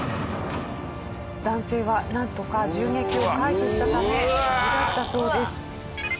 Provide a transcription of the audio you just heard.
男性はなんとか銃撃を回避したため無事だったそうです。